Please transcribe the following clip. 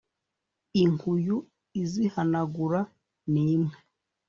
Inkuyu izihanagura ni imwe